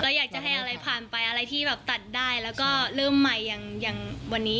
อยากจะให้อะไรผ่านไปอะไรที่แบบตัดได้แล้วก็เริ่มใหม่อย่างวันนี้